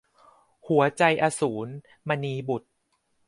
หัวใจอสูร - มณีบุษย์